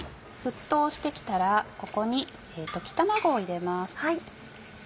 沸騰して来たらここに溶き卵を入れます。